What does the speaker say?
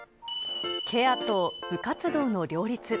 ケアと部活動の両立。